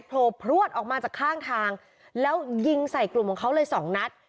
โผล่พลวดออกมาจากข้างทางแล้วยิงใส่กลุ่มของเขาเลยสองนัด